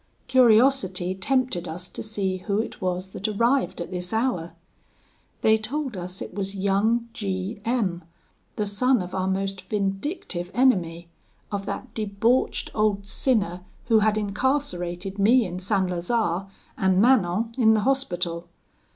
Curiosity tempted us to see who it was that arrived at this hour. They told us it was young G M , the son of our most vindictive enemy, of that debauched old sinner who had incarcerated me in St. Lazare, and Manon in the Hospital.